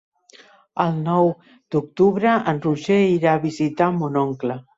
El nou d'octubre en Roger irà a visitar mon oncle.